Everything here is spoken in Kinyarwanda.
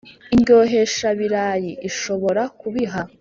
indyoheshabirayi. ishobora kubiha